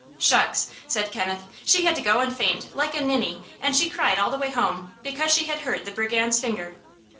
"Shucks!" said Kenneth. "She had to go and faint, like a ninny, and she cried all the way home, because she had hurt the brigand's finger."